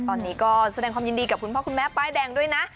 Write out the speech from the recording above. ตอนนี้ก็แสดงความยินดีกับคุณพ่อคุณแม่ป้ายแดงด้วยนะ